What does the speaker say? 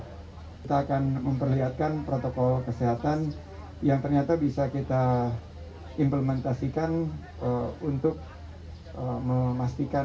kita akan memperlihatkan protokol kesehatan yang ternyata bisa kita implementasikan untuk memastikan